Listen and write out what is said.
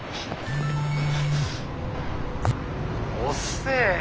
遅えよ。